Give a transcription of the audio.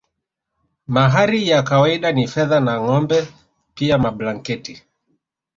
Mahari kwa kawaida ni fedha na ngombe pia mablanketi